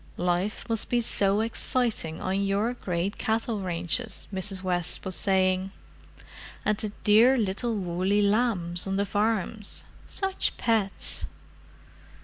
"Life must be so exciting on your great cattle ranches," Mrs. West was saying. "And the dear little woolly lambs on the farms—such pets!"